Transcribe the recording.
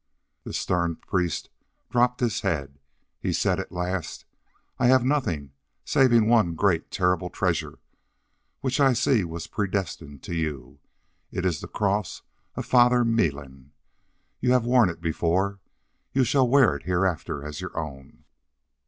The stern priest dropped his head. He said at last: "I have nothing saving one great and terrible treasure which I see was predestined to you. It is the cross of Father Meilan. You have worn it before. You shall wear it hereafter as your own."